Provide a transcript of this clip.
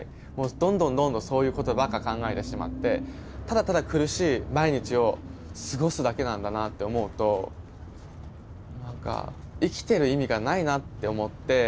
どんどんどんどんそういうことばっか考えてしまってただただ苦しい毎日を過ごすだけなんだなって思うと何か生きてる意味がないなって思って。